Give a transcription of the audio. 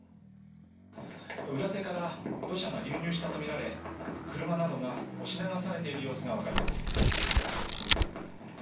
裏手から土砂が流入したとみられ車などが押し流されている様子がわかります。